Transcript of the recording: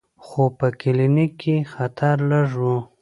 خو په کلینیک کې خطر لږ و.